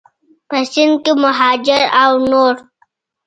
په سند کې مهاجر او نور